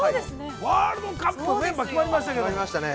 ワールドカップ、決まりましたね。